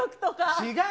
違う！